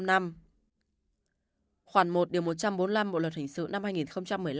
khoản một điều một trăm bốn mươi năm bộ luật hình sự năm hai nghìn một mươi năm